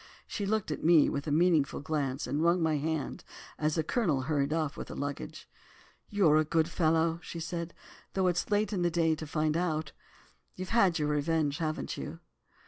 She looked at me with a meaning glance and wrung my hand as the Colonel hurried off with the luggage. 'You're a good fellow,' she said, 'though it's late in the day to find it out. You've had your revenge, haven't you?